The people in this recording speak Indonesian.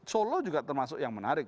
solo juga termasuk yang menarik